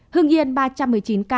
hương yên ba trăm một mươi chín ca